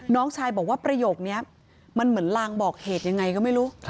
น้องชายบอกว่าประโยคนี้มันเหมือนลางบอกเหตุยังไงก็ไม่รู้